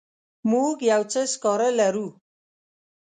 موږ یو څه سکاره لرو.